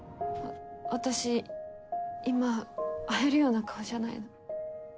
私今会えるような顔じゃないの。